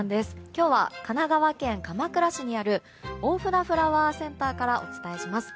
今日は、神奈川県鎌倉市にある大船フラワーセンターからお伝えします。